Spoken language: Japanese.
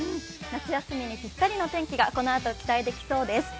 夏休みにぴったりの天気がこのあと期待できそうですね。